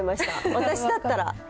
私だったら。